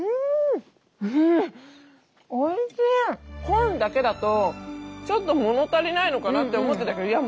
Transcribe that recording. コーンだけだとちょっと物足りないのかなって思ってたけどいや